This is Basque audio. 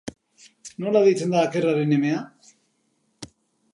Nola deitzen da akerraren emea?